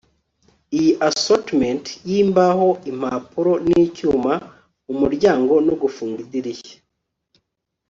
iyi assortment yimbaho, impapuro nicyuma mumuryango no gufunga idirishya